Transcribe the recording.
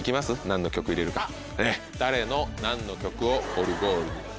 何の曲入れるか誰の何の曲をオルゴールに。